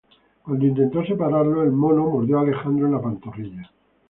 Cuando intentó separarlos, el mono mordió a Alejandro en la pantorrilla.